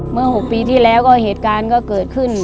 เมื่อ๖ปีที่แล้วก็เหตุการณ์ก็เกิดขึ้น